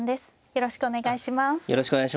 よろしくお願いします。